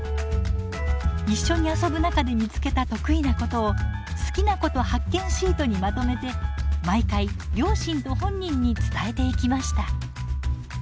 一緒に遊ぶ中で見つけた得意なことを「好きなこと発見シート」にまとめて毎回両親と本人に伝えていきました。